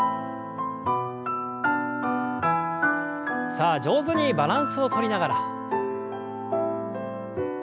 さあ上手にバランスをとりながら。